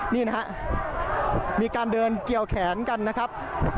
นี่นะครับมีการเดินเกี่ยวแขนกันนะครับ